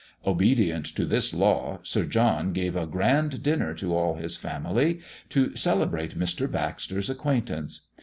Obedient to this law, Sir John gave a grand dinner to all his family to celebrate Mr. Baxter's acquaintance.